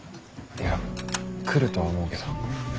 いや来るとは思うけど。